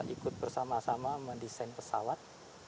ikut bersama sama mendesain pesawat